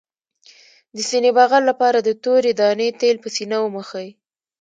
د سینې بغل لپاره د تورې دانې تېل په سینه ومښئ